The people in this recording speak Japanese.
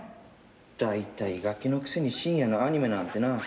大体ガキのくせに深夜のアニメなんてな。